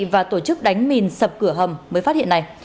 và tổ chức đánh mìn sập cửa hầm mới phát hiện này